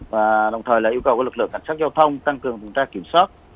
và đồng thời là yêu cầu các lực lượng cảnh sát giao thông tăng cường chúng ta kiểm soát